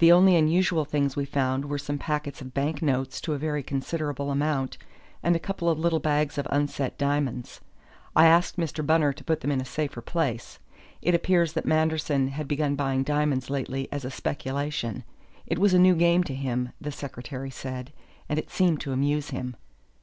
The only unusual things we found were some packets of bank notes to a very considerable amount, and a couple of little bags of unset diamonds. I asked Mr. Bunner to put them in a safer place. It appears that Manderson had begun buying diamonds lately as a speculation it was a new game to him, the secretary said, and it seemed to amuse him."